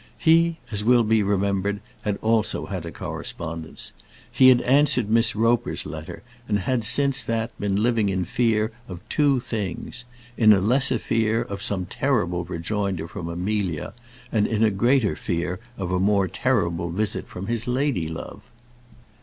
He, as will be remembered, had also had a correspondence. He had answered Miss Roper's letter, and had since that been living in fear of two things; in a lesser fear of some terrible rejoinder from Amelia, and in a greater fear of a more terrible visit from his lady love.